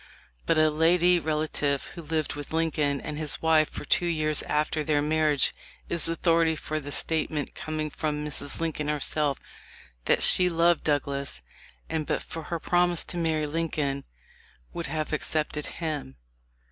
But a lady relative who lived with Lincoln and his wife for two years after their marriage is authority for the statement coming from Mrs. Lincoln herself that "she loved Douglas, and but for her promise to marry Lincoln would have accepted him."